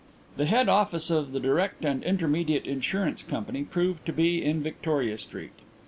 The head office of the Direct and Intermediate Insurance Company proved to be in Victoria Street.